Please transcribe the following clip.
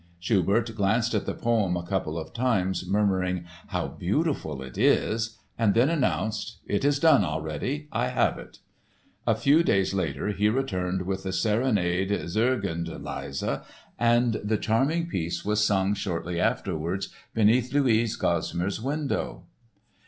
Schubert glanced at the poem a couple of times, murmuring "how beautiful it is" and then announced: "It is done already. I have it." A few days later he returned with the serenade "Zögernd leise" and the charming piece was sung shortly afterwards beneath Luise Gosmar's window.